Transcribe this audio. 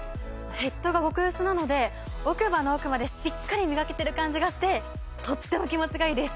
ヘッドが極薄なので奥歯の奥までしっかりみがけてる感じがしてとっても気持ちがイイです！